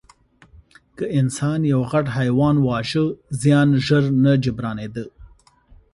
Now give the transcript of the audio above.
که انسان یو غټ حیوان واژه، زیان ژر نه جبرانېده.